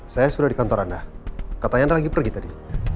saya sudah di kantor anda katanya anda lagi pergi tadi